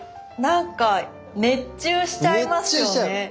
なんか熱中しちゃいますよね。